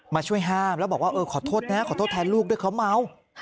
มาช่วยห้ามแล้วบอกว่าเออขอโทษนะขอโทษแทนลูกด้วยเขาเมา